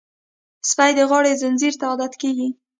سپي د غاړې زنځیر ته عادت کېږي.